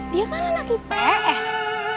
dia kan anak ips